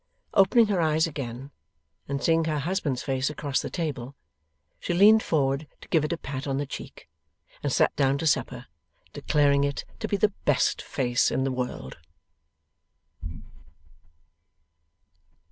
Opening her eyes again, and seeing her husband's face across the table, she leaned forward to give it a pat on the cheek, and sat down to supper, declaring it to be the best face in the world.